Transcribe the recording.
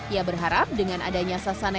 ia berharap dengan adanya sasana yang sempurna